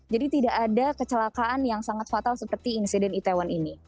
tidak ada kecelakaan yang sangat fatal seperti insiden itaewon ini